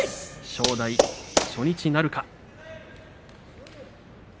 正代、初日なるか。